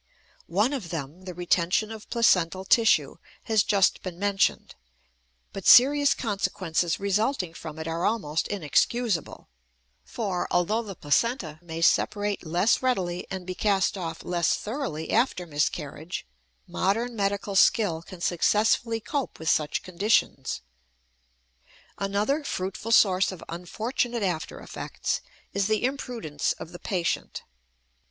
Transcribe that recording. One of them, the retention of placental tissue, has just been mentioned, but serious consequences resulting from it are almost inexcusable, for, although the placenta may separate less readily and be cast off less thoroughly after miscarriage, modern medical skill can successfully cope with such conditions. Another fruitful source of unfortunate after effects is the imprudence of the patient.